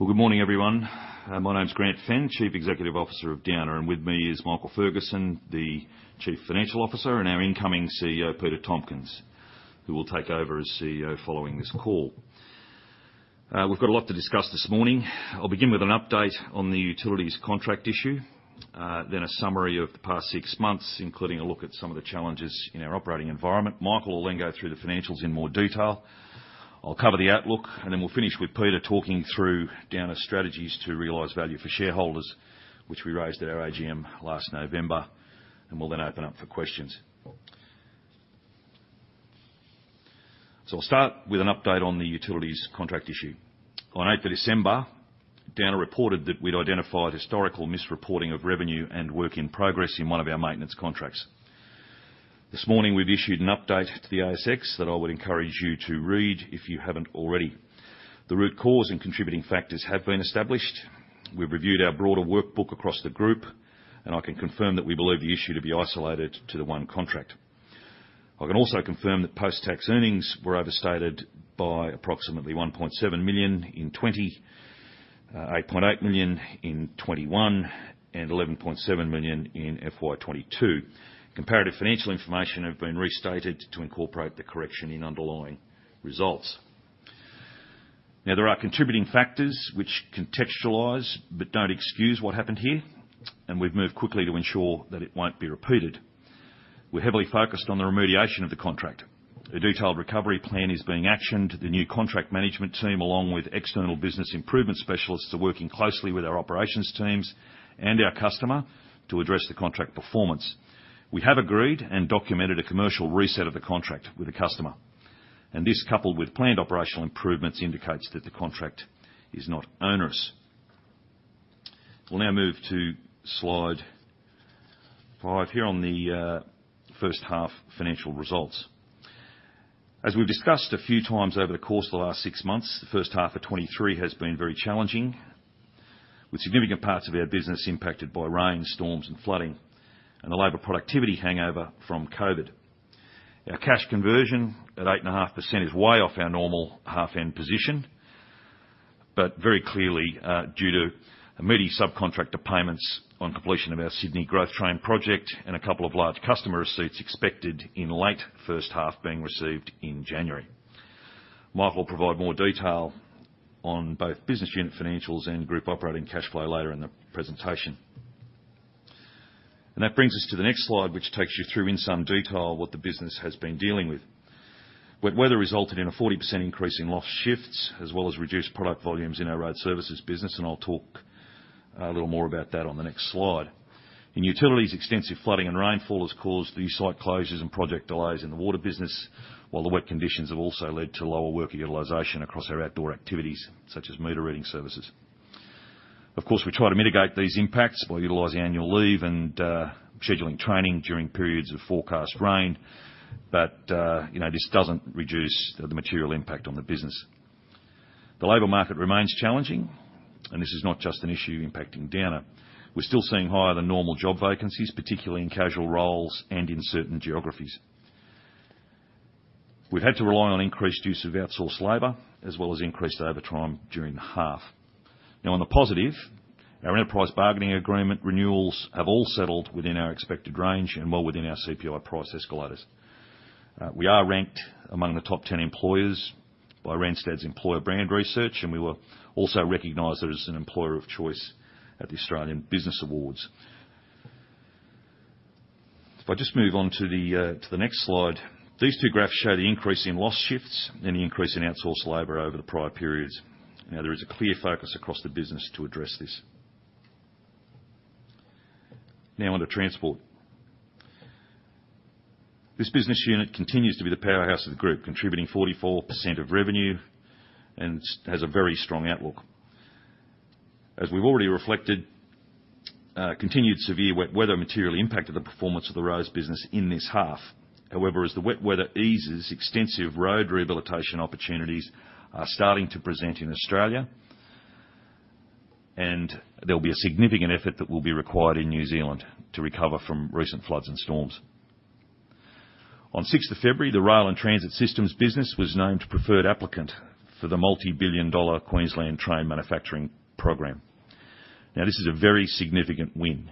Well, good morning, everyone. My name's Grant Fenn, Chief Executive Officer of Downer, and with me is Michael Ferguson, the Chief Financial Officer, and our incoming CEO, Peter Tompkins, who will take over as CEO following this call. We've got a lot to discuss this morning. I'll begin with an update on the utilities contract issue, then a summary of the past six months, including a look at some of the challenges in our operating environment. Michael will then go through the financials in more detail. I'll cover the outlook, and then we'll finish with Peter talking through Downer's strategies to realize value for shareholders, which we raised at our AGM last November, and we'll then open up for questions. I'll start with an update on the utilities contract issue. On 8th of December, Downer reported that we'd identified historical misreporting of revenue and work in progress in one of our maintenance contracts. This morning, we've issued an update to the ASX that I would encourage you to read if you haven't already. The root cause and contributing factors have been established. We've reviewed our broader workbook across the group, and I can confirm that we believe the issue to be isolated to the one contract. I can also confirm that post-tax earnings were overstated by approximately 1.7 million in 2020, 8.8 million in 2021, and 11.7 million in FY 2022. Comparative financial information have been restated to incorporate the correction in underlying results. There are contributing factors which contextualize but don't excuse what happened here, and we've moved quickly to ensure that it won't be repeated. We're heavily focused on the remediation of the contract. A detailed recovery plan is being actioned. The new contract management team, along with external business improvement specialists, are working closely with our operations teams and our customer to address the contract performance. We have agreed and documented a commercial reset of the contract with the customer, and this, coupled with planned operational improvements, indicates that the contract is not onerous. We'll now move to slide five here on the first half financial results. As we've discussed a few times over the course of the last six months, the first half of 2023 has been very challenging, with significant parts of our business impacted by rain, storms, and flooding, and the labor productivity hangover from COVID. Our cash conversion at 8.5% is way off our normal half end position, but very clearly, due to a meaty subcontractor payments on completion of our Sydney Growth Trains project and a couple of large customer receipts expected in late first half being received in January. Michael will provide more detail on both business unit financials and group operating cash flow later in the presentation. That brings us to the next slide, which takes you through in some detail what the business has been dealing with. Wet weather resulted in a 40% increase in lost shifts, as well as reduced product volumes in our road services business. I'll talk a little more about that on the next slide. In utilities, extensive flooding and rainfall has caused these site closures and project delays in the water business, while the wet conditions have also led to lower worker utilization across our outdoor activities, such as meter reading services. Of course, we try to mitigate these impacts by utilizing annual leave and scheduling training during periods of forecast rain. You know, this doesn't reduce the material impact on the business. The labor market remains challenging, and this is not just an issue impacting Downer. We're still seeing higher than normal job vacancies, particularly in casual roles and in certain geographies. We've had to rely on increased use of outsourced labor, as well as increased overtime during the half. On the positive, our enterprise bargaining agreement renewals have all settled within our expected range and well within our CPI price escalators. We are ranked among the top 10 employers by Randstad Employer Brand Research, and we were also recognized as an employer of choice at The Australian Business Awards. If I just move on to the next slide. These two graphs show the increase in lost shifts and the increase in outsourced labor over the prior periods. Now there is a clear focus across the business to address this. Now on to transport. This business unit continues to be the powerhouse of the group, contributing 44% of revenue and has a very strong outlook. As we've already reflected, continued severe wet weather materially impacted the performance of the roads business in this half. As the wet weather eases, extensive road rehabilitation opportunities are starting to present in Australia, and there'll be a significant effort that will be required in New Zealand to recover from recent floods and storms. On 6th of February, the Rail & Transit Systems business was named preferred applicant for the multibillion-dollar Queensland Train Manufacturing Program. This is a very significant win,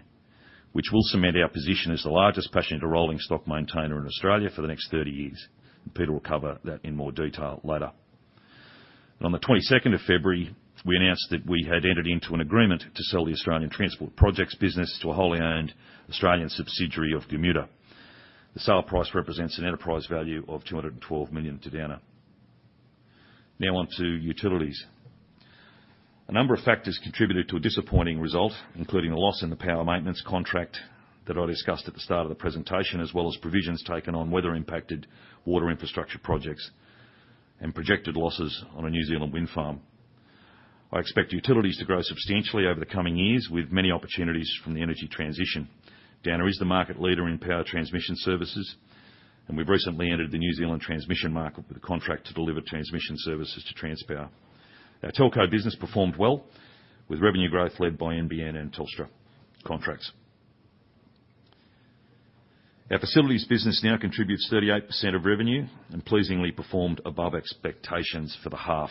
which will cement our position as the largest passenger rollingstock maintainer in Australia for the next 30 years. Peter will cover that in more detail later. On the 22nd of February, we announced that we had entered into an agreement to sell the Australian Transport Projects business to a wholly owned Australian subsidiary of Gamuda. The sale price represents an enterprise value of 212 million to Downer. On to utilities. A number of factors contributed to a disappointing result, including a loss in the power maintenance contract that I discussed at the start of the presentation, as well as provisions taken on weather-impacted water infrastructure projects and projected losses on a New Zealand wind farm. I expect utilities to grow substantially over the coming years with many opportunities from the energy transition. Downer is the market leader in power transmission services, and we've recently entered the New Zealand transmission market with a contract to deliver transmission services to Transpower. Our telco business performed well with revenue growth led by NBN and Telstra contracts. Our facilities business now contributes 38% of revenue and pleasingly performed above expectations for the half.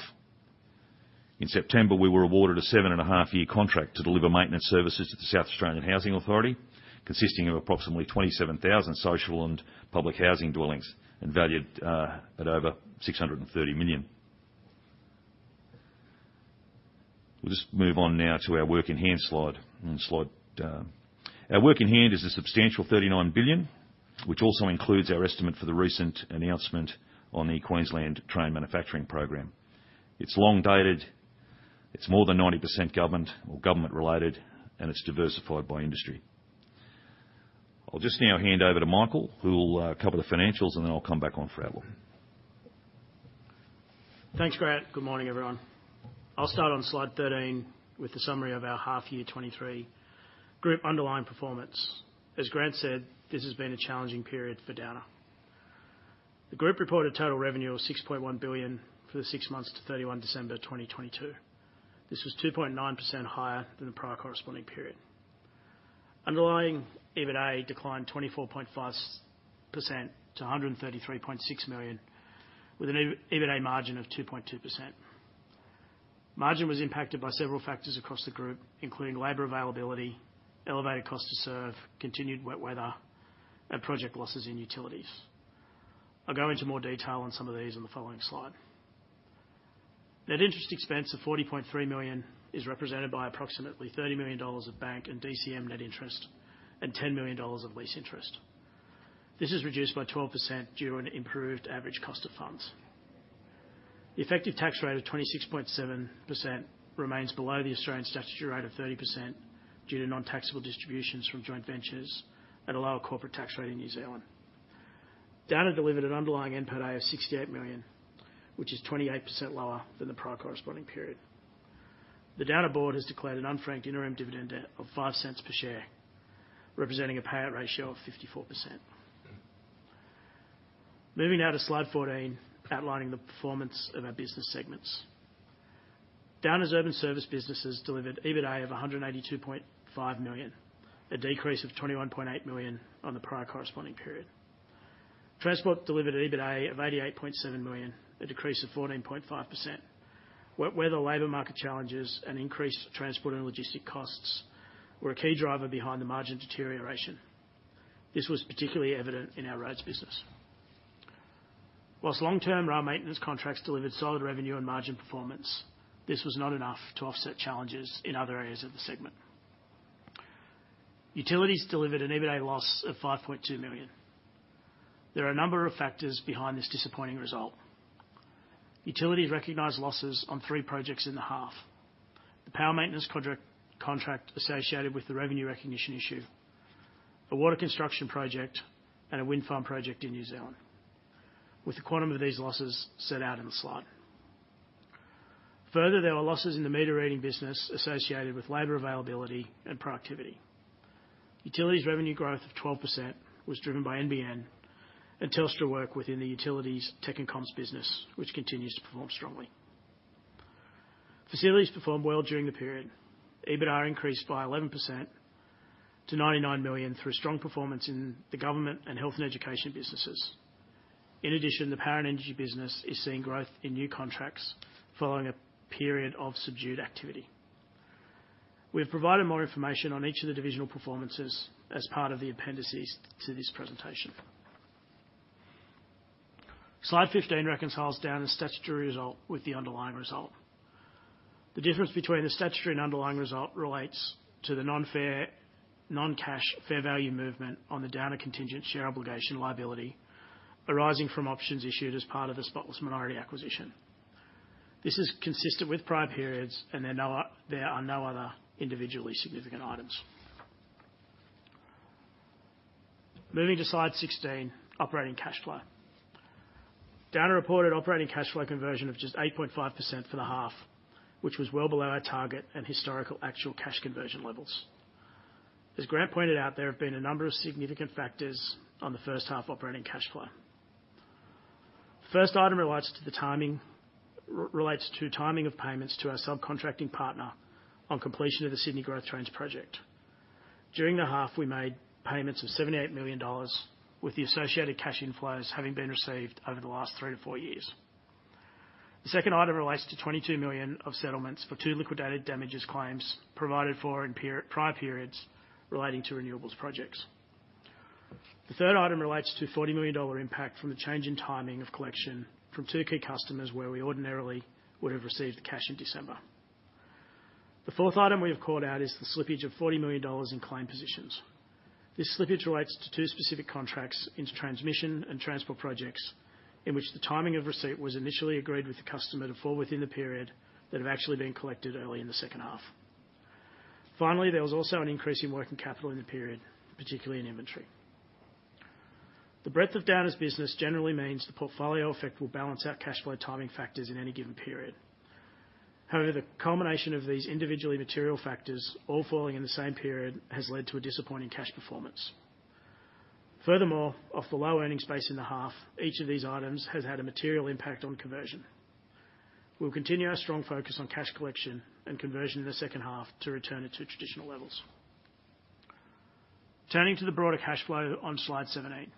In September, we were awarded a 7.5 year contract to deliver maintenance services to the South Australian Housing Authority, consisting of approximately 27,000 social and public housing dwellings and valued at over 630 million. We'll just move on now to our work in hand slide. Our work in hand is a substantial AUD 39 billion, which also includes our estimate for the recent announcement on the Queensland Train Manufacturing Program. It's long dated, it's more than 90% government or government related, it's diversified by industry. I'll just now hand over to Michael, who will cover the financials, then I'll come back on for outlook. Thanks, Grant. Good morning, everyone. I'll start on slide 13 with a summary of our half year FY 2023 group underlying performance. As Grant said, this has been a challenging period for Downer. The group reported total revenue of 6.1 billion for the six months to 31 December 2022. This was 2.9% higher than the prior corresponding period. Underlying EBITA declined 24.5% to 133.6 million with an EBITA margin of 2.2%. Margin was impacted by several factors across the group, including labor availability, elevated cost to serve, continued wet weather, and project losses in utilities. I'll go into more detail on some of these in the following slide. Net interest expense of 40.3 million is represented by approximately 30 million dollars of bank and DCM net interest and 10 million dollars of lease interest. This is reduced by 12% due to an improved average cost of funds. The effective tax rate of 26.7% remains below the Australian statutory rate of 30% due to non-taxable distributions from joint ventures at a lower corporate tax rate in New Zealand. Downer delivered an underlying NPDA of 68 million, which is 28% lower than the prior corresponding period. The Downer board has declared an unfranked interim dividend of 0.05 per share, representing a payout ratio of 54%. Moving now to slide 14, outlining the performance of our business segments. Downer's urban service businesses delivered EBITA of 182.5 million, a decrease of 21.8 million on the prior corresponding period. Transport delivered EBITA of 88.7 million, a decrease of 14.5%. Wet weather labor market challenges and increased transport and logistic costs were a key driver behind the margin deterioration. This was particularly evident in our roads business. Long-term rail maintenance contracts delivered solid revenue and margin performance, this was not enough to offset challenges in other areas of the segment. Utilities delivered an EBITA loss of 5.2 million. There are a number of factors behind this disappointing result. Utilities recognized losses on three projects in the half. The power maintenance contract associated with the revenue recognition issue, a water construction project, and a wind farm project in New Zealand. With the quantum of these losses set out in the slide. Further, there were losses in the meter reading business associated with labor availability and productivity. Utilities revenue growth of 12% was driven by NBN and Telstra work within the utilities tech and comms business, which continues to perform strongly. Facilities performed well during the period. EBITA increased by 11% to 99 million through strong performance in the government and health and education businesses. In addition, the power and energy business is seeing growth in new contracts following a period of subdued activity. We've provided more information on each of the divisional performances as part of the appendices to this presentation. Slide 15 reconciles Downer's statutory result with the underlying result. The difference between the statutory and underlying result relates to the non-cash fair value movement on the Downer contingent share obligation liability arising from options issued as part of the Spotless minority acquisition. This is consistent with prior periods, and there are no other individually significant items. Moving to slide 16, operating cash flow. Downer reported operating cash flow conversion of just 8.5% for the half, which was well below our target and historical actual cash conversion levels. As Grant pointed out, there have been a number of significant factors on the first half operating cash flow. First item relates to the timing, relates to timing of payments to our subcontracting partner on completion of the Sydney Growth Trains project. During the half, we made payments of $78 million with the associated cash inflows having been received over the last three to four years. The second item relates to $22 million of settlements for two liquidated damages claims provided for in prior periods relating to renewables projects. The third item relates to $40 million impact from the change in timing of collection from two key customers where we ordinarily would have received the cash in December. The fourth item we have called out is the slippage of $40 million in claim positions. This slippage relates to two specific contracts into transmission and transport projects, in which the timing of receipt was initially agreed with the customer to fall within the period that have actually been collected early in the second half. There was also an increase in working capital in the period, particularly in inventory. The breadth of Downer's business generally means the portfolio effect will balance our cash flow timing factors in any given period. The culmination of these individually material factors all falling in the same period has led to a disappointing cash performance. Of the low earning space in the half, each of these items has had a material impact on conversion. We'll continue our strong focus on cash collection and conversion in the second half to return it to traditional levels. Turning to the broader cash flow on slide 17.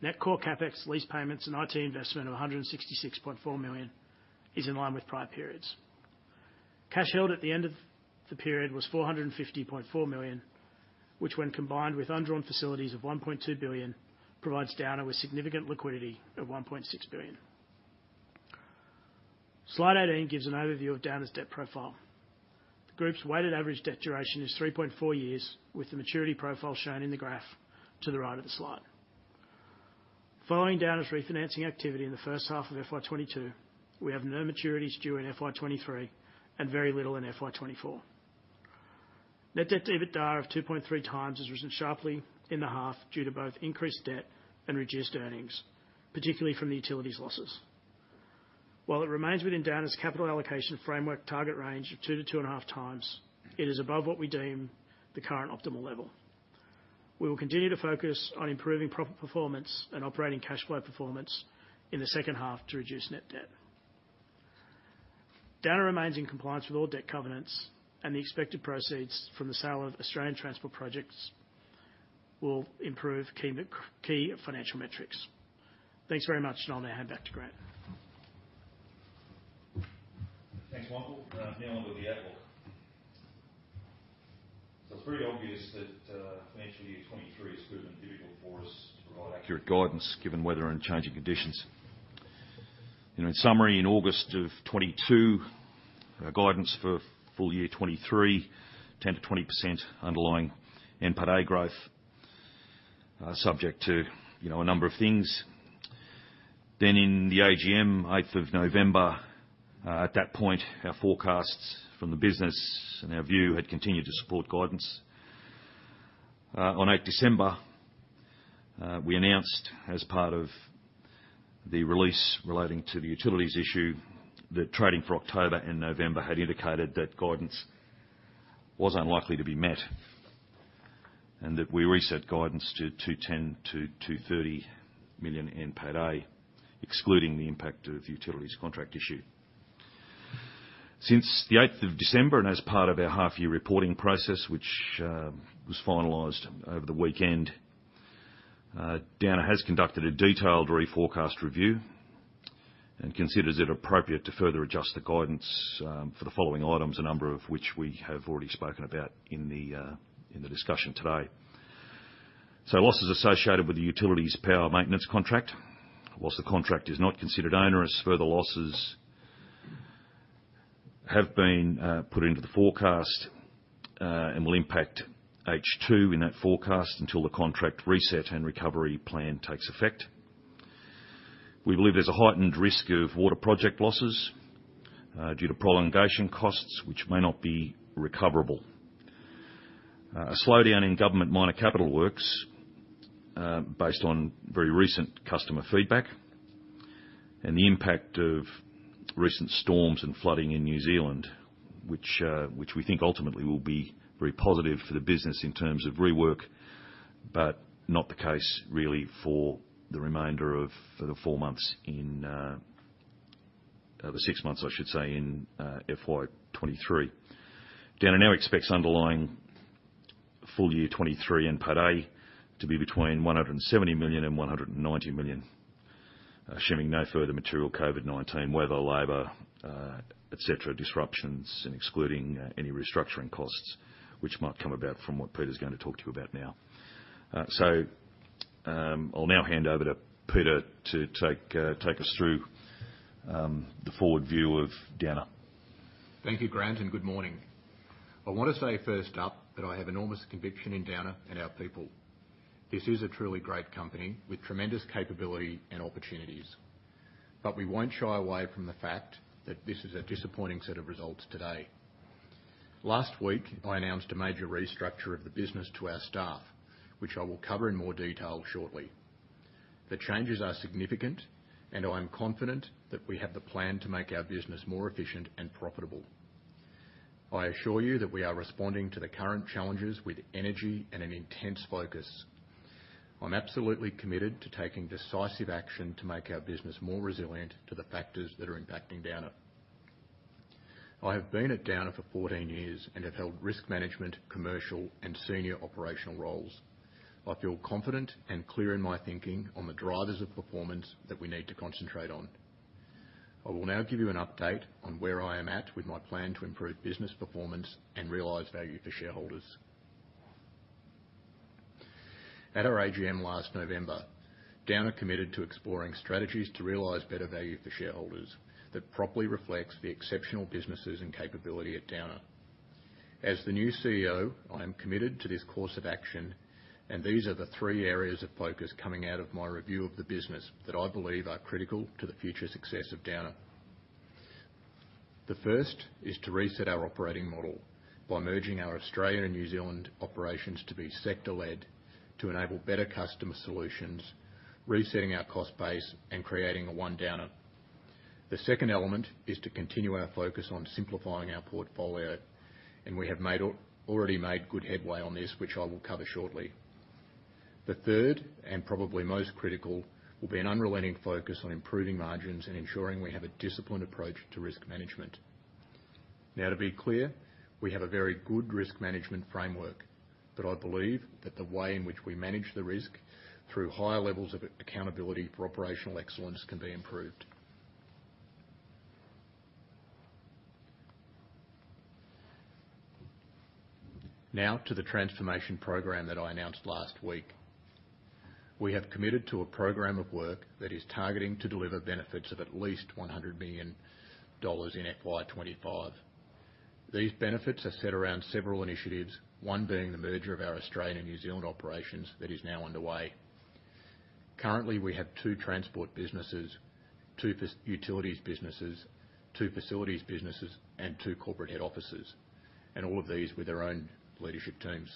Net core CapEx, lease payments, and IT investment of $166.4 million is in line with prior periods. Cash held at the end of the period was $450.4 million, which when combined with undrawn facilities of $1.2 billion, provides Downer with significant liquidity of $1.6 billion. Slide 18 gives an overview of Downer's debt profile. The group's weighted average debt duration is 3.4 years, with the maturity profile shown in the graph to the right of the slide. Following Downer's refinancing activity in the first half of FY 2022, we have no maturities due in FY 2023 and very little in FY 2024. Net debt to EBITDA of 2.3x has risen sharply in the half due to both increased debt and reduced earnings, particularly from the utilities losses. While it remains within Downer's capital allocation framework target range of 2x-2.5x, it is above what we deem the current optimal level. We will continue to focus on improving profit performance and operating cash flow performance in the second half to reduce net debt. Downer remains in compliance with all debt covenants. The expected proceeds from the sale of Australian Transport Projects will improve key financial metrics. Thanks very much. I'll now hand back to Grant. Thanks, Michael. Now on to the outlook. It's pretty obvious that FY 2023 has proven difficult for us to provide accurate guidance given weather and changing conditions. You know, in summary, in August 2022, our guidance for FY 2023, 10%-20% underlying NPATA growth, subject to, you know, a number of things. In the AGM, 8th of November, at that point, our forecasts from the business and our view had continued to support guidance. On December 8, we announced, as part of the release relating to the utilities issue, that trading for October and November had indicated that guidance was unlikely to be met, and that we reset guidance to 230 million NPATA, excluding the impact of utilities contract issue. Since the 8th of December, as part of our half year reporting process, which was finalized over the weekend, Downer has conducted a detailed reforecast review and considers it appropriate to further adjust the guidance for the following items, a number of which we have already spoken about in the discussion today. Losses associated with the utilities power maintenance contract. Whilst the contract is not considered onerous, further losses have been put into the forecast, and will impact H2 in that forecast until the contract reset and recovery plan takes effect. We believe there's a heightened risk of water project losses due to prolongation costs, which may not be recoverable. A slowdown in government minor capital works, based on very recent customer feedback, and the impact of recent storms and flooding in New Zealand, which we think ultimately will be very positive for the business in terms of rework, but not the case really for the remainder of the four months in the six months, I should say, in FY 2023. Downer now expects underlying full year 2023 NPATA to be between 170 million and 190 million, assuming no further material COVID-19, weather, labor, et cetera, disruptions and excluding any restructuring costs which might come about from what Peter's gonna talk to you about now. I'll now hand over to Peter to take us through the forward view of Downer. Thank you, Grant, and good morning. I want to say first up that I have enormous conviction in Downer and our people. This is a truly great company with tremendous capability and opportunities. We won't shy away from the fact that this is a disappointing set of results today. Last week, I announced a major restructure of the business to our staff, which I will cover in more detail shortly. The changes are significant, and I'm confident that we have the plan to make our business more efficient and profitable. I assure you that we are responding to the current challenges with energy and an intense focus. I'm absolutely committed to taking decisive action to make our business more resilient to the factors that are impacting Downer. I have been at Downer for 14 years and have held risk management, commercial and senior operational roles. I feel confident and clear in my thinking on the drivers of performance that we need to concentrate on. I will now give you an update on where I am at with my plan to improve business performance and realize value for shareholders. At our AGM last November, Downer committed to exploring strategies to realize better value for shareholders that properly reflects the exceptional businesses and capability at Downer. As the new CEO, I am committed to this course of action, and these are the three areas of focus coming out of my review of the business that I believe are critical to the future success of Downer. The first is to reset our operating model by merging our Australian and New Zealand operations to be sector-led, to enable better customer solutions, resetting our cost base and creating a one-downer. The second element is to continue our focus on simplifying our portfolio, and we have already made good headway on this, which I will cover shortly. The third, and probably most critical, will be an unrelenting focus on improving margins and ensuring we have a disciplined approach to risk management. To be clear, we have a very good risk management framework, but I believe that the way in which we manage the risk through higher levels of accountability for operational excellence can be improved. To the transformation program that I announced last week. We have committed to a program of work that is targeting to deliver benefits of at least 100 million dollars in FY 2025. These benefits are set around several initiatives, one being the merger of our Australian and New Zealand operations that is now underway. Currently, we have two transport businesses, two utilities businesses, two facilities businesses, and two corporate head offices, and all of these with their own leadership teams.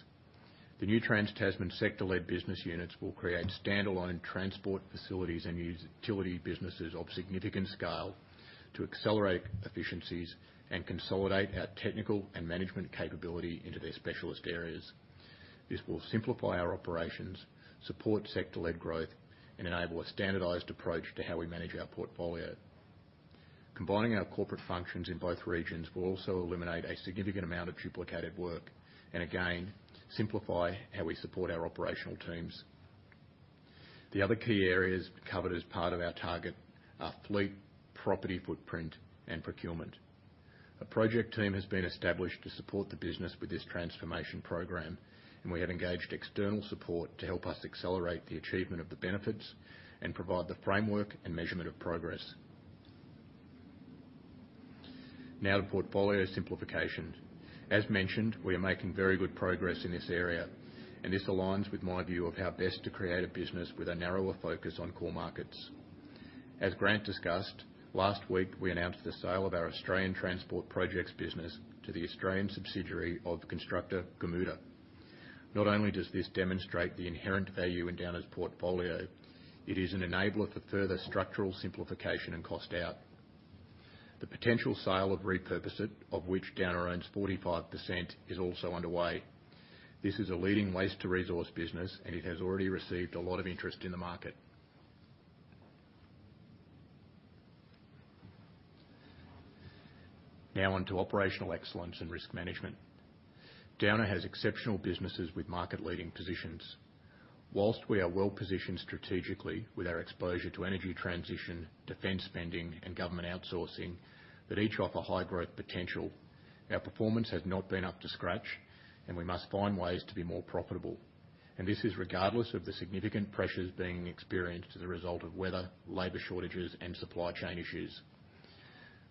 The new Trans-Tasman sector-led business units will create standalone transport facilities and utility businesses of significant scale to accelerate efficiencies and consolidate our technical and management capability into their specialist areas. This will simplify our operations, support sector-led growth, and enable a standardized approach to how we manage our portfolio. Combining our corporate functions in both regions will also eliminate a significant amount of duplicated work and again, simplify how we support our operational teams. The other key areas covered as part of our target are fleet, property footprint, and procurement. A project team has been established to support the business with this transformation program, and we have engaged external support to help us accelerate the achievement of the benefits and provide the framework and measurement of progress. Now to portfolio simplification. As mentioned, we are making very good progress in this area, and this aligns with my view of how best to create a business with a narrower focus on core markets. As Grant discussed, last week, we announced the sale of our Australian Transport Projects business to the Australian subsidiary of constructor, Gamuda. Not only does this demonstrate the inherent value in Downer's portfolio, it is an enabler for further structural simplification and cost out. The potential sale of Repurpose It, of which Downer owns 45%, is also underway. This is a leading waste-to-resource business, and it has already received a lot of interest in the market. Now on to operational excellence and risk management. Downer has exceptional businesses with market-leading positions. Whilst we are well-positioned strategically with our exposure to energy transition, defense spending, and government outsourcing that each offer high growth potential, our performance has not been up to scratch and we must find ways to be more profitable. This is regardless of the significant pressures being experienced as a result of weather, labor shortages, and supply chain issues.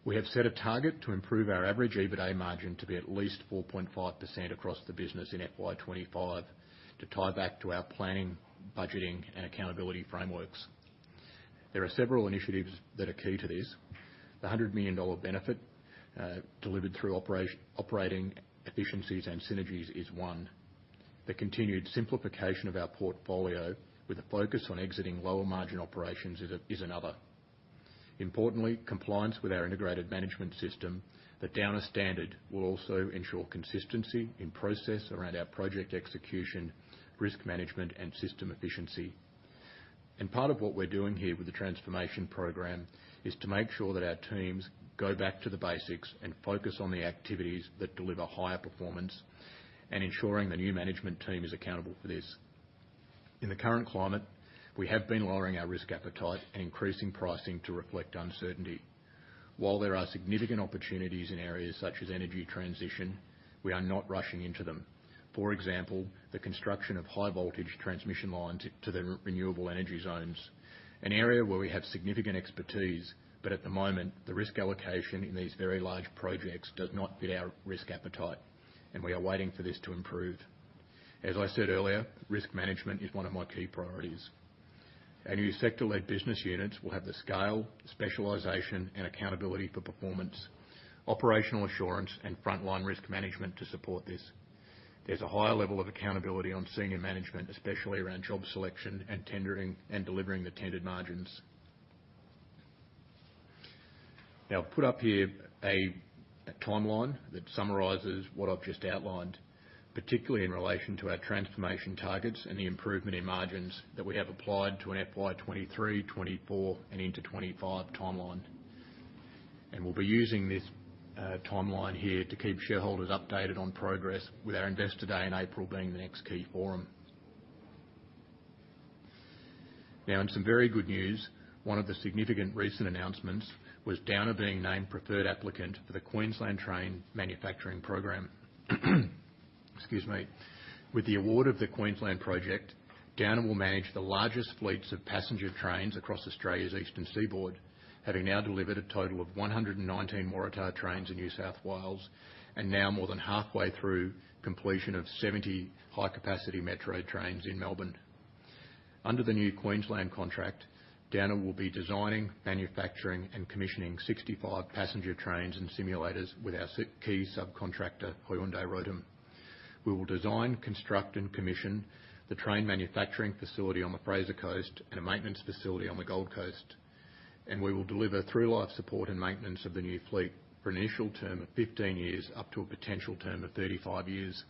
We have set a target to improve our average EBITA margin to be at least 4.5% across the business in FY 2025 to tie back to our planning, budgeting, and accountability frameworks. There are several initiatives that are key to this. The 100 million dollar benefit delivered through operating efficiencies and synergies is one. The continued simplification of our portfolio with a focus on exiting lower margin operations is another. Importantly, compliance with our integrated management system, The Downer Standard, will also ensure consistency in process around our project execution, risk management, and system efficiency. Part of what we're doing here with the transformation program is to make sure that our teams go back to the basics and focus on the activities that deliver higher performance and ensuring the new management team is accountable for this. In the current climate, we have been lowering our risk appetite and increasing pricing to reflect uncertainty. While there are significant opportunities in areas such as energy transition, we are not rushing into them. For example, the construction of high voltage transmission lines to the renewable energy zones, an area where we have significant expertise, but at the moment, the risk allocation in these very large projects does not fit our risk appetite, and we are waiting for this to improve. As I said earlier, risk management is one of my key priorities. Our new sector-led business units will have the scale, specialization, and accountability for performance, operational assurance, and frontline risk management to support this. There's a higher level of accountability on senior management, especially around job selection and tendering and delivering the tendered margins. I've put up here a timeline that summarizes what I've just outlined, particularly in relation to our transformation targets and the improvement in margins that we have applied to an FY 2023, 2024, and into 2025 timeline. We'll be using this timeline here to keep shareholders updated on progress with our Investor Day in April being the next key forum. In some very good news, one of the significant recent announcements was Downer being named preferred applicant for the Queensland Train Manufacturing Program. Excuse me. With the award of the Queensland project, Downer will manage the largest fleets of passenger trains across Australia's eastern seaboard, having now delivered a total of 119 Waratah trains in New South Wales, and now more than halfway through completion of 70 High Capacity Metro Trains in Melbourne. Under the new Queensland contract, Downer will be designing, manufacturing, and commissioning 65 passenger trains and simulators with our key subcontractor, Hyundai Rotem. We will design, construct, and commission the train manufacturing facility on the Fraser Coast and a maintenance facility on the Gold Coast, and we will deliver through-life support and maintenance of the new fleet for an initial term of 15 years, up to a potential term of 35 years.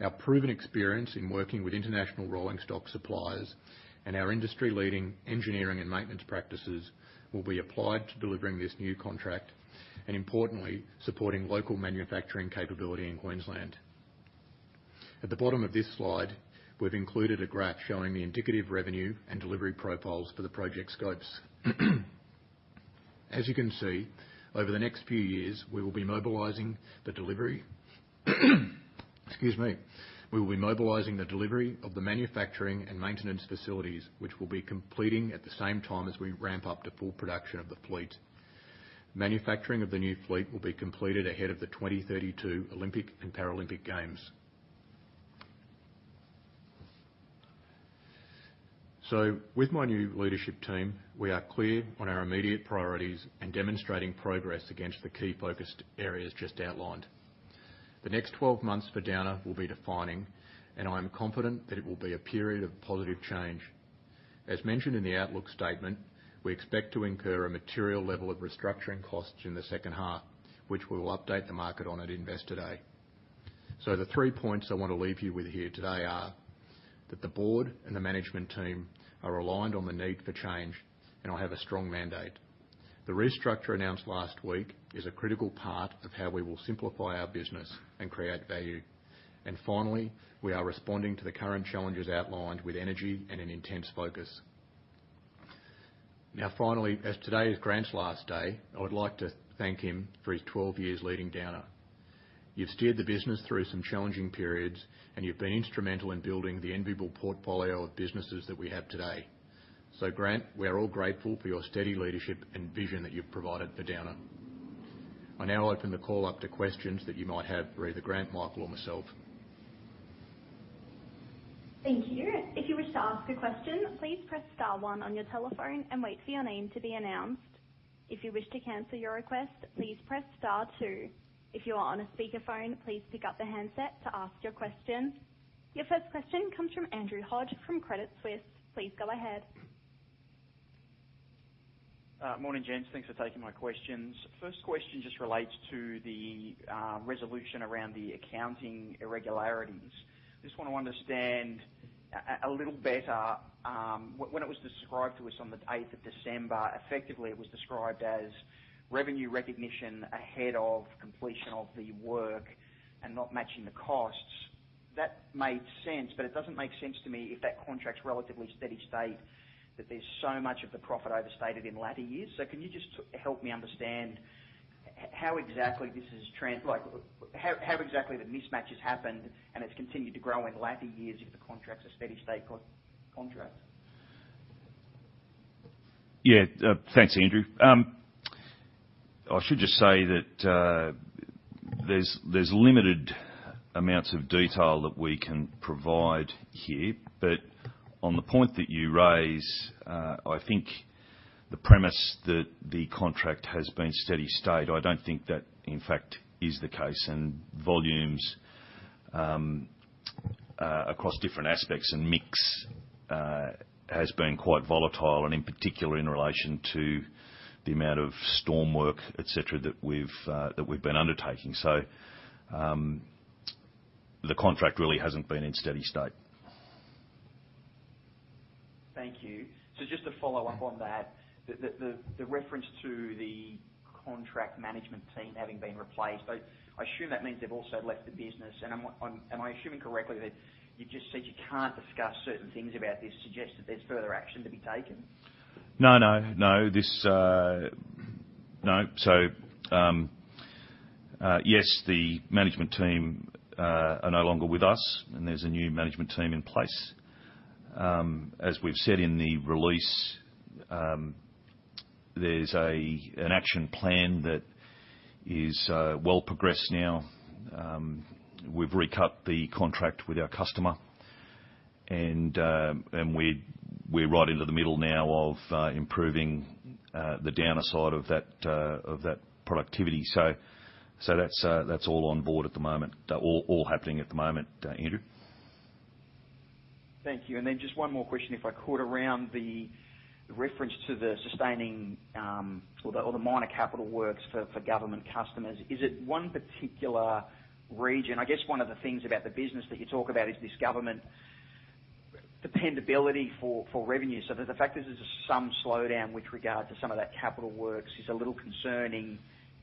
Our proven experience in working with international rolling stock suppliers and our industry-leading engineering and maintenance practices will be applied to delivering this new contract and importantly, supporting local manufacturing capability in Queensland. At the bottom of this slide, we've included a graph showing the indicative revenue and delivery profiles for the project scopes. As you can see, over the next few years, we will be mobilizing the delivery. Excuse me. We will be mobilizing the delivery of the manufacturing and maintenance facilities, which will be completing at the same time as we ramp up to full production of the fleet. Manufacturing of the new fleet will be completed ahead of the 2032 Olympic and Paralympic Games. With my new leadership team, we are clear on our immediate priorities and demonstrating progress against the key focused areas just outlined. The next 12 months for Downer will be defining, and I am confident that it will be a period of positive change. As mentioned in the outlook statement, we expect to incur a material level of restructuring costs in the second half, which we will update the market on at Investor Day. The three points I want to leave you with here today are that the board and the management team are aligned on the need for change, and I have a strong mandate. The restructure announced last week is a critical part of how we will simplify our business and create value. Finally, we are responding to the current challenges outlined with energy and an intense focus. Finally, as today is Grant's last day, I would like to thank him for his 12 years leading Downer. You've steered the business through some challenging periods, and you've been instrumental in building the enviable portfolio of businesses that we have today. Grant, we are all grateful for your steady leadership and vision that you've provided for Downer. I now open the call up to questions that you might have for either Grant, Michael, or myself. Thank you. If you wish to ask a question, please press star one on your telephone and wait for your name to be announced. If you wish to cancel your request, please press star two. If you are on a speakerphone, please pick up the handset to ask your question. Your first question comes from Andrew Scott from Credit Suisse. Please go ahead. Morning, gents. Thanks for taking my questions. First question just relates to the resolution around the accounting irregularities. Just want to understand a little better when it was described to us on the 8th of December, effectively, it was described as revenue recognition ahead of completion of the work and not matching the costs. It doesn't make sense to me if that contract's relatively steady state, that there's so much of the profit overstated in latter years. Can you just help me understand how exactly the mismatch has happened and it's continued to grow in latter years if the contract's a steady state contract? Yeah. Thanks, Andrew. I should just say that, there's limited amounts of detail that we can provide here. On the point that you raise, I think the premise that the contract has been steady state, I don't think that, in fact, is the case. Volumes, across different aspects and mix, has been quite volatile, and in particular in relation to the amount of storm work, et cetera, that we've been undertaking. The contract really hasn't been in steady state. Thank you. Just to follow up on that, the reference to the contract management team having been replaced, I assume that means they've also left the business. Am I assuming correctly that you just said you can't discuss certain things about this suggests that there's further action to be taken? No, no. No. This. No. Yes, the management team are no longer with us and there's a new management team in place. As we've said in the release, there's an action plan that is well progressed now. We've recut the contract with our customer, and we're right into the middle now of improving the Downer side of that productivity. That's all on board at the moment. All happening at the moment, Andrew. Thank you. Just one more question, if I could, around the reference to the sustaining, or the minor capital works for government customers. Is it one particular region? I guess one of the things about the business that you talk about is this government dependability for revenue. The fact that there's some slowdown with regard to some of that capital works is a little concerning.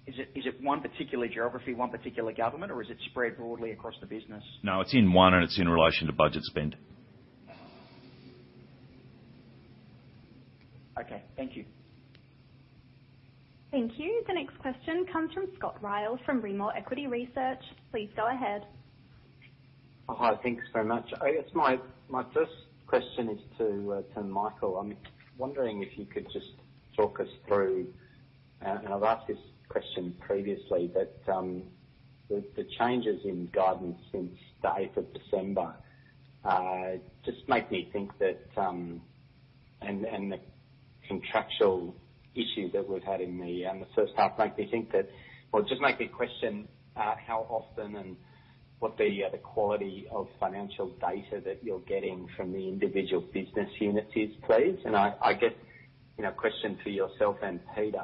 Is it one particular geography, one particular government, or is it spread broadly across the business? No, it's in one, and it's in relation to budget spend. Okay. Thank you. Thank you. The next question comes from Scott Ryall from Rimor Equity Research. Please go ahead. Oh, hi. Thanks very much. I guess my first question is to Michael. I'm wondering if you could just talk us through, and I've asked this question previously, but the changes in guidance since the 8th of December just make me think that, and the contractual issues that we've had in the first half make me think that... Well, it just make me question how often and what the quality of financial data that you're getting from the individual business units is, please. I guess, you know, question to yourself and Peter.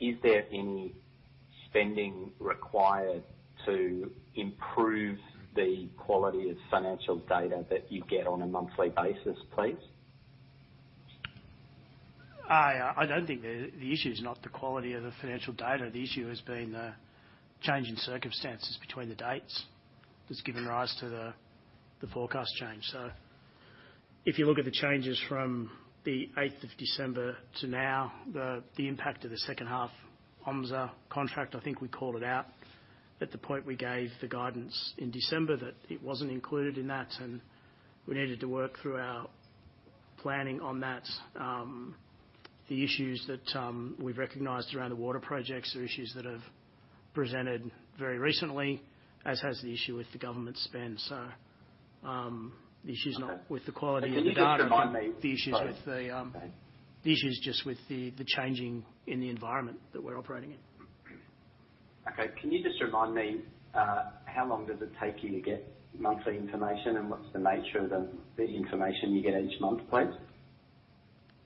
Is there any spending required to improve the quality of financial data that you get on a monthly basis, please? I don't think the issue is not the quality of the financial data. The issue has been the change in circumstances between the dates that's given rise to the forecast change. If you look at the changes from the 8th of December to now, the impact of the second half OM&A contract, I think we called it out at the point we gave the guidance in December that it wasn't included in that and we needed to work through our planning on that. The issues that we've recognized around the water projects are issues that have presented very recently, as has the issue with the government spend. The issue is not- Okay. With the quality of the data. Can you just remind me- The issue's just with the changing in the environment that we're operating in. Okay. Can you just remind me, how long does it take you to get monthly information and what's the nature of the information you get each month, please?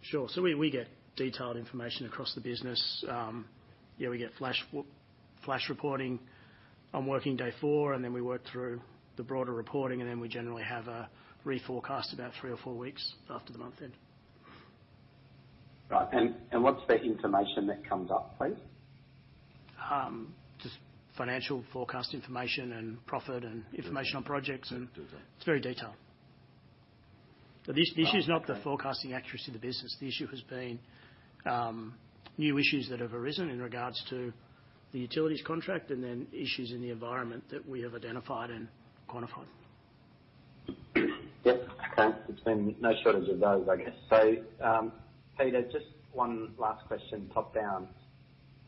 Sure. We get detailed information across the business. Yeah, we get flash reporting on working day four, and then we work through the broader reporting, and then we generally have a reforecast about three or four weeks after the month end. Right. and what's the information that comes up, please? Just financial forecast information and profit and information on projects, and it's very detailed. Okay. The issue is not the forecasting accuracy of the business. The issue has been new issues that have arisen in regards to the utilities contract and then issues in the environment that we have identified and quantified. Yep. Okay. It's been no shortage of those, I guess. Peter, just one last question, top-down.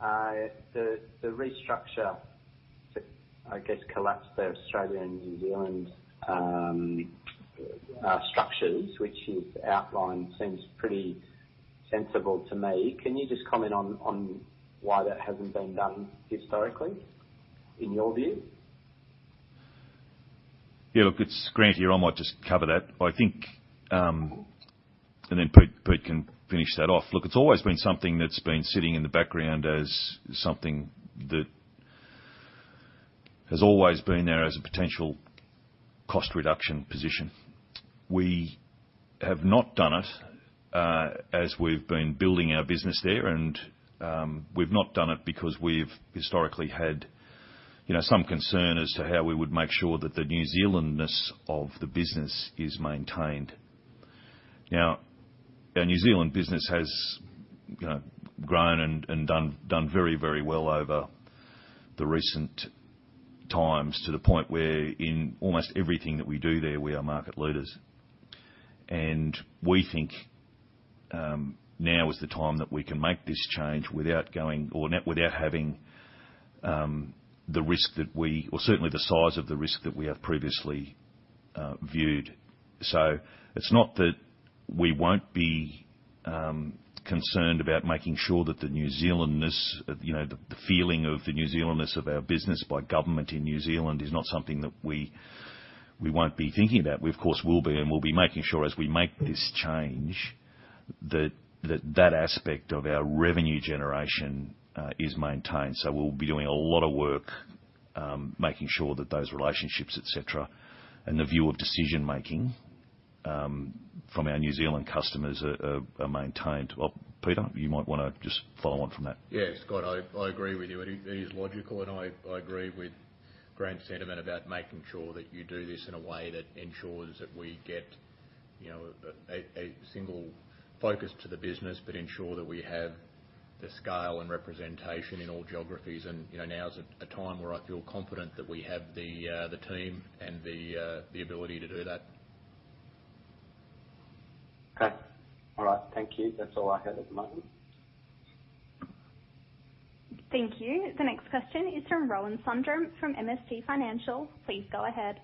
The restructure to, I guess, collapse the Australian and New Zealand structures, which you've outlined seems pretty sensible to me. Can you just comment on why that hasn't been done historically in your view? Look, it's Grant here. I might just cover that. I think, and then Pete can finish that off. Look, it's always been something that's been sitting in the background as something that has always been there as a potential cost reduction position. We have not done it, as we've been building our business there, and we've not done it because we've historically had, you know, some concern as to how we would make sure that the New Zealandness of the business is maintained. Now, our New Zealand business has, you know, grown and done very, very well over the recent times, to the point where in almost everything that we do there, we are market leaders. We think, now is the time that we can make this change without having the risk that we... Certainly the size of the risk that we have previously viewed. It's not that we won't be concerned about making sure that the New Zealandness, you know, the feeling of the New Zealandness of our business by government in New Zealand is not something that we won't be thinking about. We of course will be, and we'll be making sure as we make this change, that aspect of our revenue generation is maintained. We'll be doing a lot of work making sure that those relationships, et cetera, and the view of decision-making from our New Zealand customers are maintained. Peter, you might wanna just follow on from that. Yes, Scott, I agree with you. It is logical, and I agree with Grant's sentiment about making sure that you do this in a way that ensures that we get, you know, a single focus to the business, but ensure that we have the scale and representation in all geographies. You know, now is a time where I feel confident that we have the team and the ability to do that. Okay. All right. Thank you. That's all I have at the moment. Thank you. The next question is from Rohan Sundram from MST Financial. Please go ahead.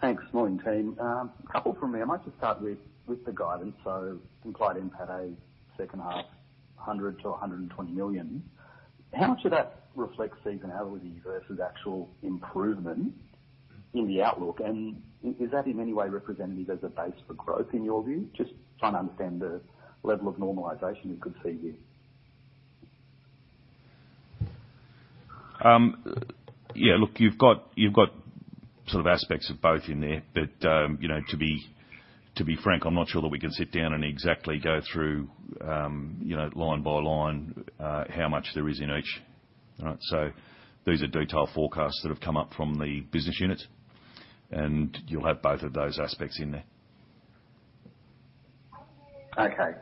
Thanks. Morning, team. A couple from me. I might just start with the guidance. Implied impact a second half 100 million-120 million. How much of that reflects seasonality versus actual improvement in the outlook? Is that in any way representative as a base for growth in your view? Just trying to understand the level of normalization we could see here. Yeah. Look, you've got sort of aspects of both in there. You know, to be, to be frank, I'm not sure that we can sit down and exactly go through, you know, line by line, how much there is in each. All right? These are detailed forecasts that have come up from the business unit, and you'll have both of those aspects in there. Okay.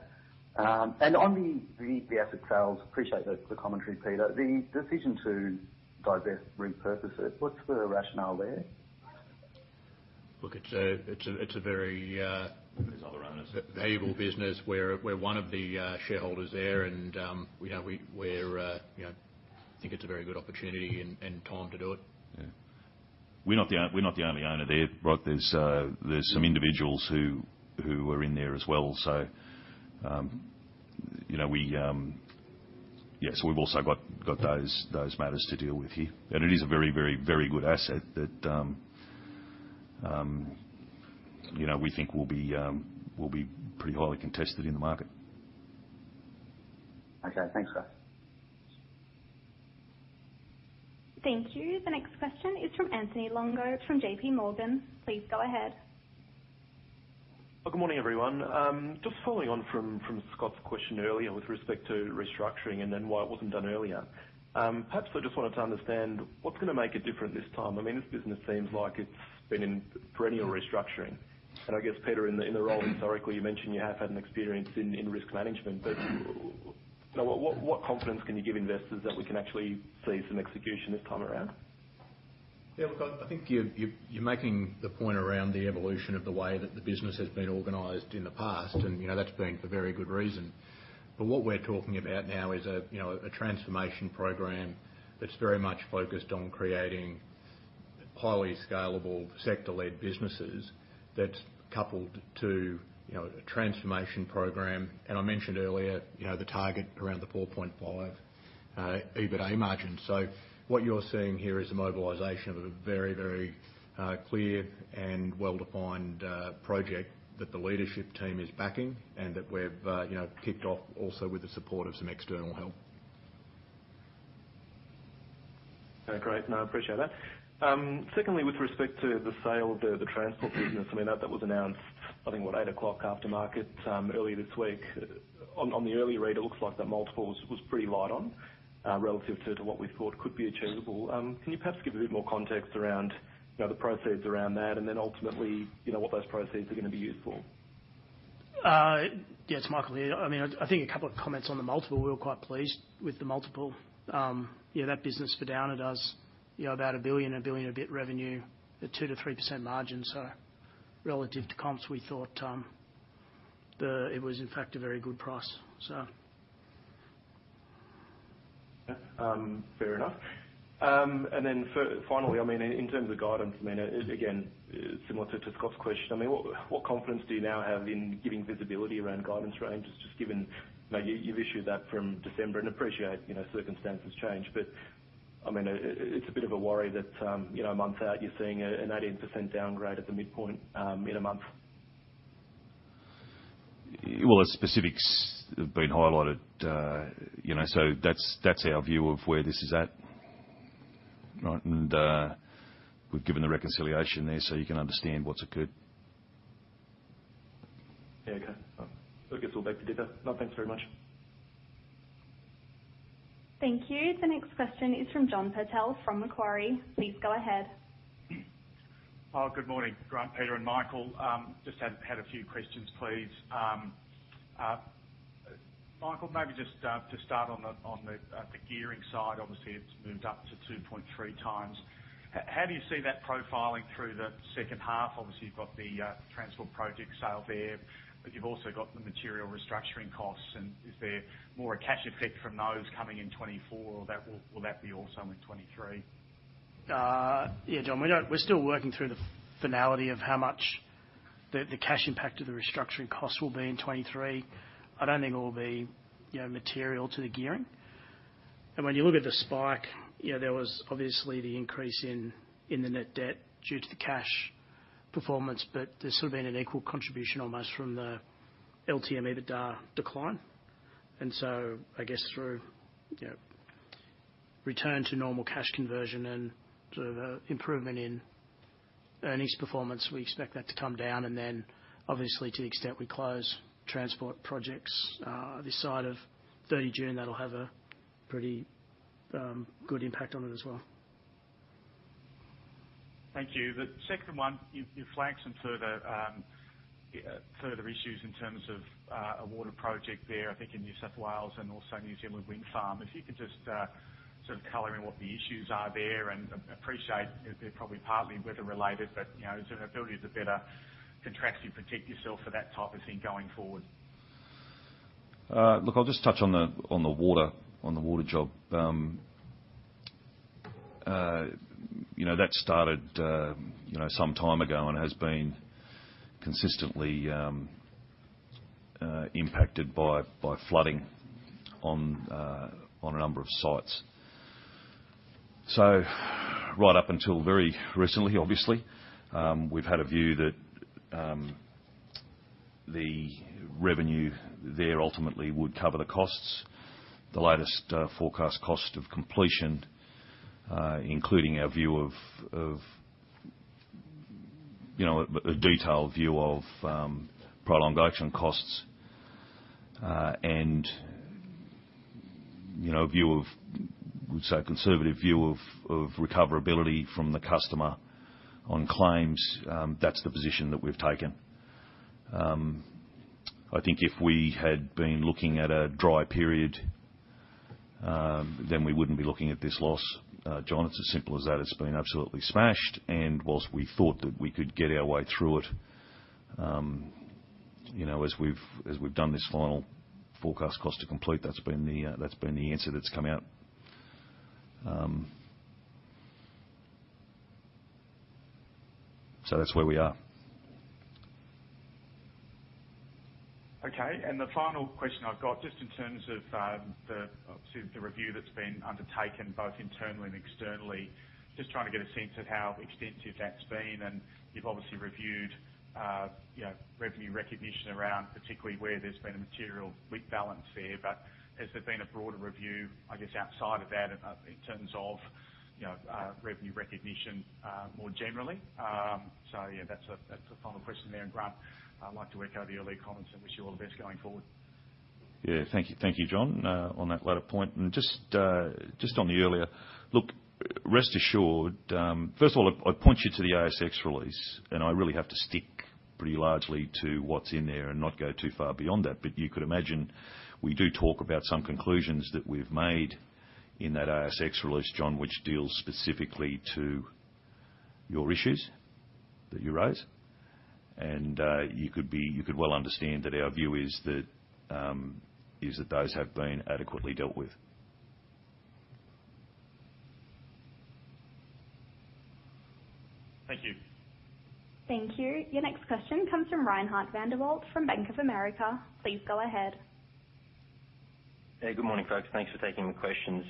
On the asset sales, appreciate the commentary, Peter. The decision to divest, Repurpose It, what's the rationale there? Look, it's a very. There's other owners. ...valuable business. We're one of the shareholders there and, you know, we're, you know. Think it's a very good opportunity and time to do it. Yeah. We're not the only owner there, right? There's some individuals who are in there as well. You know, we've also got those matters to deal with here. It is a very good asset that you know, we think we'll be pretty highly contested in the market. Okay, thanks guys. Thank you. The next question is from Anthony Longo from JPMorgan. Please go ahead. Well, good morning, everyone. Just following on from Scott's question earlier with respect to restructuring and then why it wasn't done earlier. Perhaps I just wanted to understand what's gonna make it different this time. I mean, this business seems like it's been in perennial restructuring. I guess, Peter, in the role historically, you mentioned you have had an experience in risk management. You know, what confidence can you give investors that we can actually see some execution this time around? Look, I think you're making the point around the evolution of the way that the business has been organized in the past. You know, that's been for very good reason. What we're talking about now is a, you know, a transformation program that's very much focused on creating highly scalable sector-led businesses that's coupled to, you know, a transformation program. I mentioned earlier, you know, the target around the 4.5 EBITA margin. What you're seeing here is a mobilization of a very, very clear and well-defined project that the leadership team is backing and that we've, you know, kicked off also with the support of some external help. Okay, great. No, I appreciate that. Secondly, with respect to the sale of the transport business, I mean, that was announced, I think, what, 8:00 after market earlier this week. On the early read, it looks like that multiple was pretty light on relative to what we thought could be achievable. Can you perhaps give a bit more context around, you know, the proceeds around that, and then ultimately, you know, what those proceeds are gonna be used for? Yes, Michael here. I mean, I think a couple of comments on the multiple. We were quite pleased with the multiple. You know, that business for Downer does, you know, about 1 billion, 1 billion a bit revenue at 2%-3% margin. Relative to comps, we thought, the... it was in fact a very good price, so. Yeah. Fair enough. Finally, I mean, in terms of guidance, I mean, again, similar to Scott's question, I mean, what confidence do you now have in giving visibility around guidance range, just given, you know, you've issued that from December and appreciate, you know, circumstances change, but, I mean, it's a bit of a worry that, you know, a month out, you're seeing an 18% downgrade at the midpoint, in a month? The specifics have been highlighted, you know, so that's our view of where this is at. We've given the reconciliation there, so you can understand what's occurred. Yeah. Okay. I guess we'll back to Operator. Thanks very much. Thank you. The next question is from John Purtell from Macquarie. Please go ahead. Good morning, Grant, Peter, and Michael. Just had a few questions, please. Michael, maybe just to start on the gearing side, obviously, it's moved up to 2.3x. How do you see that profiling through the second half? Obviously, you've got the transport project sale there, but you've also got the material restructuring costs. Is there more a cash effect from those coming in 2024, or will that be also in 2023? Yeah, John, We're still working through the finality of how much the cash impact of the restructuring costs will be in 2023. I don't think it will be, you know, material to the gearing. When you look at the spike, you know, there was obviously the increase in the net debt due to the cash performance, but there's sort of been an equal contribution almost from the LTM EBITDA decline. I guess through, you know, return to normal cash conversion and sort of improvement in earnings performance, we expect that to come down. Then obviously to the extent we close transport projects, this side of 30 June, that'll have a pretty good impact on it as well. Thank you. The second one, you flagged some further issues in terms of a water project there, I think in New South Wales and also New Zealand wind farm. If you could just sort of color in what the issues are there and appreciate they're probably partly weather related, but, you know, is there ability to better contractually protect yourself for that type of thing going forward? Look, I'll just touch on the water job. You know, that started, you know, some time ago and has been consistently impacted by flooding on a number of sites. Right up until very recently, obviously, we've had a view that the revenue there ultimately would cover the costs. The latest forecast cost of completion, including our view of, you know, a detailed view of prolongation costs, and, you know, a view of, we'd say a conservative view of recoverability from the customer on claims, that's the position that we've taken. I think if we had been looking at a dry period, then we wouldn't be looking at this loss, John. It's as simple as that. It's been absolutely smashed. Whilst we thought that we could get our way through it, you know, as we've done this final forecast cost to complete, that's been the answer that's come out. That's where we are. Okay. The final question I've got just in terms of, the, obviously the review that's been undertaken both internally and externally, just trying to get a sense of how extensive that's been. You've obviously reviewed, you know, revenue recognition around particularly where there's been a material weak balance there. But has there been a broader review, I guess, outside of that in terms of, you know, revenue recognition, more generally? So yeah, that's a, that's the final question there. Grant, I'd like to echo the early comments and wish you all the best going forward. Thank you, thank you, John, on that latter point. Just on the earlier, rest assured, first of all, I point you to the ASX release, and I really have to stick pretty largely to what's in there and not go too far beyond that. You could imagine, we do talk about some conclusions that we've made in that ASX release, John, which deals specifically to your issues that you raised. You could well understand that our view is that those have been adequately dealt with. Thank you. Thank you. Your next question comes from Reinhardt van der Walt from Bank of America. Please go ahead. Hey, good morning, folks. Thanks for taking the questions.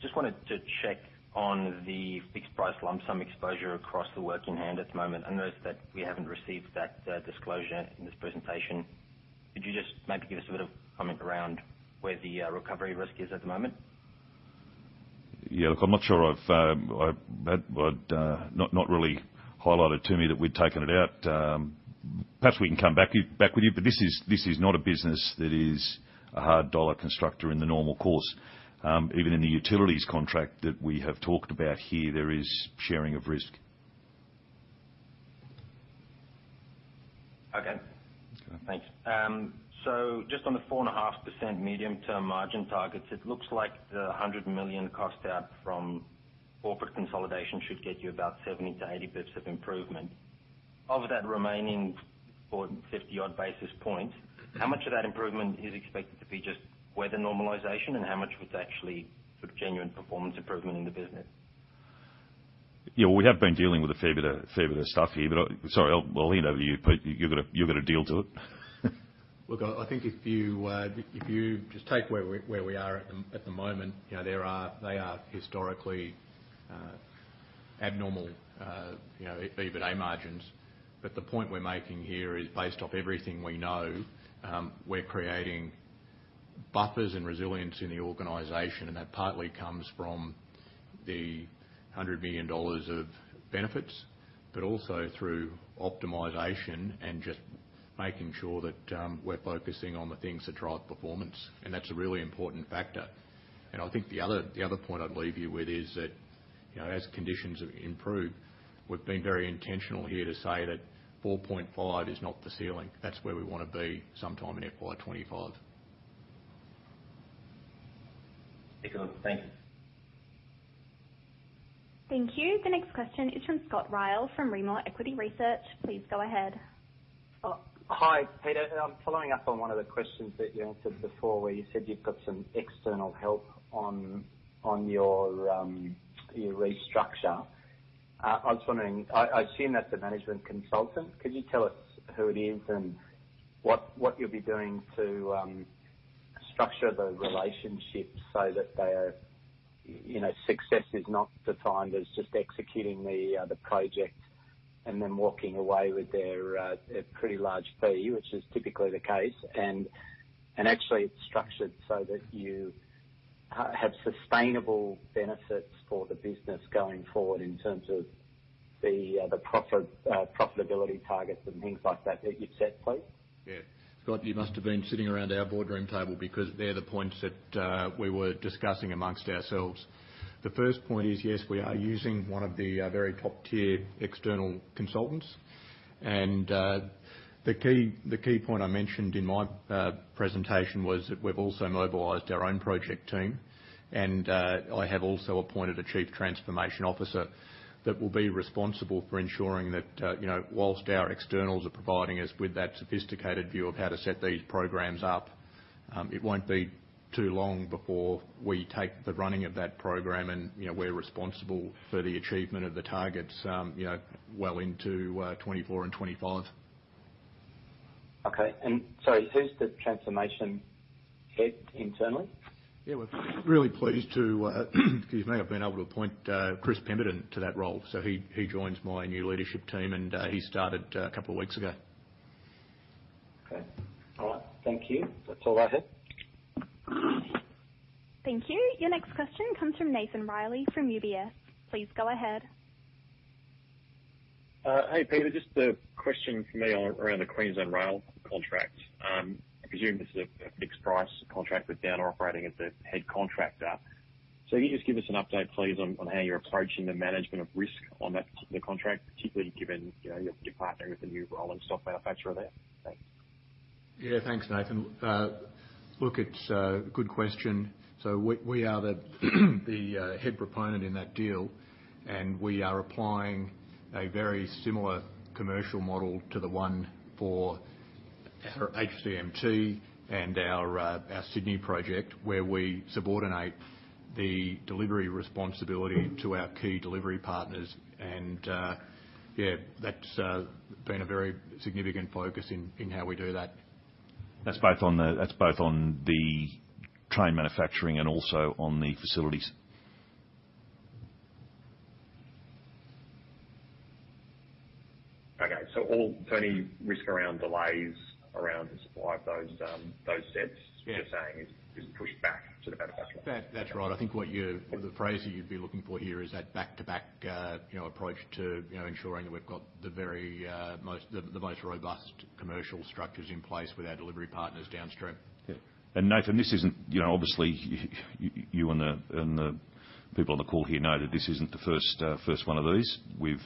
Just wanted to check on the fixed price lump sum exposure across the work in hand at the moment. I noticed that we haven't received that disclosure in this presentation. Could you just maybe give us a bit of comment around where the recovery risk is at the moment? Yeah, look, I'm not sure I've not really highlighted to me that we'd taken it out. Perhaps we can come back with you. This is not a business that is a hard dollar constructor in the normal course. Even in the utilities contract that we have talked about here, there is sharing of risk. Okay. That's good. Thanks. Just on the 4.5% medium term margin targets, it looks like the 100 million cost out from corporate consolidation should get you about 70-80 bits of improvement. Of that remaining 40-50 odd basis points, how much of that improvement is expected to be just weather normalization and how much was actually sort of genuine performance improvement in the business? Yeah, well, we have been dealing with a fair bit of stuff here, but Sorry, El, well, I'll hand over to you, but you've got to deal to it. Look, I think if you just take where we are at the moment, you know, there are, they are historically abnormal, you know, EBITDA margins. The point we're making here is based off everything we know, we're creating buffers and resilience in the organization, and that partly comes from the 100 million dollars of benefits, but also through optimization and just making sure that we're focusing on the things that drive performance. That's a really important factor. I think the other point I'd leave you with is that, you know, as conditions improve, we've been very intentional here to say that 4.5% is not the ceiling. That's where we wanna be sometime in FY 2025. Okay. Thank you. Thank you. The next question is from Scott Ryall from Rimor Equity Research. Please go ahead. Hi, Peter. I'm following up on one of the questions that you answered before where you said you've got some external help on your restructure. I was wondering, I assume that's a management consultant. Could you tell us who it is and what you'll be doing to structure the relationship so that they are, you know, success is not defined as just executing the project and then walking away with their pretty large fee, which is typically the case? Actually it's structured so that you have sustainable benefits for the business going forward in terms of the profit, profitability targets and things like that that you've set, please. Yeah. Scott, you must have been sitting around our boardroom table because they're the points that we were discussing amongst ourselves. The first point is, yes, we are using one of the very top-tier external consultants. The key point I mentioned in my presentation was that we've also mobilized our own project team. I have also appointed a chief transformation officer that will be responsible for ensuring that, you know, whilst our externals are providing us with that sophisticated view of how to set these programs up, it won't be too long before we take the running of that program and, you know, we're responsible for the achievement of the targets, you know, well into 2024 and 2025. Okay. Sorry, who's the transformation head internally? Yeah, we're really pleased to, excuse me, have been able to appoint, Chris Pemberton to that role. He joins my new leadership team, and, he started a couple of weeks ago. Okay. All right. Thank you. That's all I had. Thank you. Your next question comes from Nathan Reilly from UBS. Please go ahead. Hey, Peter. Just a question for me around the Queensland Rail contract. I presume this is a fixed price contract with Downer operating as the head contractor. Can you just give us an update, please, on how you're approaching the management of risk on that particular contract, particularly given, you know, you're partnering with the new rolling stock manufacturer there? Thanks. Yeah. Thanks, Nathan. Look, it's a good question. We are the head proponent in that deal, we are applying a very similar commercial model to the one for our HCMT and our Sydney project, where we subordinate the delivery responsibility to our key delivery partners. Yeah, that's been a very significant focus in how we do that. That's both on the train manufacturing and also on the facilities. Okay. Any risk around delays around the supply of those sets… Yeah. You're saying is pushed back to the manufacturer. That's right. I think the phrase that you'd be looking for here is that back to back, you know, approach to, you know, ensuring that we've got the very, most, the most robust commercial structures in place with our delivery partners downstream. Yeah. Nathan, this isn't, you know, obviously you and the people on the call here know that this isn't the first one of these. We've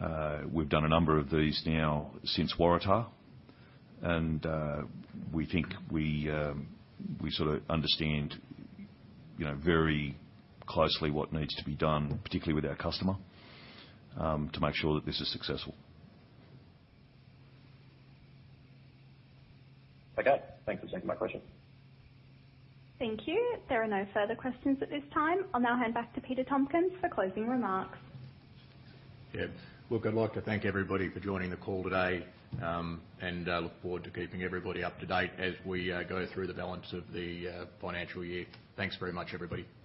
done a number of these now since Waratah. We think we sort of understand, you know, very closely what needs to be done, particularly with our customer, to make sure that this is successful. Okay. Thanks for taking my question. Thank you. There are no further questions at this time. I'll now hand back to Peter Tompkins for closing remarks. Yeah. Look, I'd like to thank everybody for joining the call today, and I look forward to keeping everybody up to date as we go through the balance of the financial year. Thanks very much, everybody.